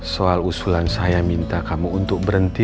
soal usulan saya minta kamu untuk berhenti